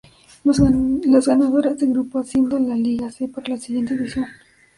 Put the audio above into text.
Las ganadoras de grupo ascienden a la Liga C para la siguiente edición.